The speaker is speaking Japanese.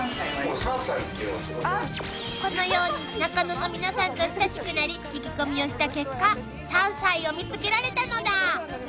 ［このように中野の皆さんと親しくなり聞き込みをした結果三才を見つけられたのだ］